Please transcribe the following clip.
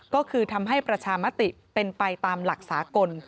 ก็คือทำให้ประชามติเป็นไปตามหลักสากล